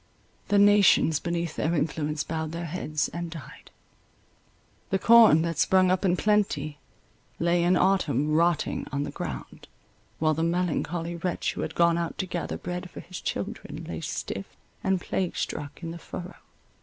The nations beneath their influence bowed their heads, and died. The corn that sprung up in plenty, lay in autumn rotting on the ground, while the melancholy wretch who had gone out to gather bread for his children, lay stiff and plague struck in the furrow.